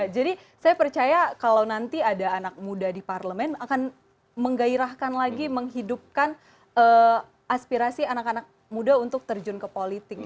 saya percaya kalau nanti ada anak muda di parlemen akan menggairahkan lagi menghidupkan aspirasi anak anak muda untuk terjun ke politik